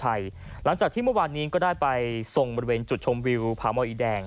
หลังจากที่เมื่อวานนี้ก็ได้ไปทรงบริเวณจุดชมวิวผาหมออีแดง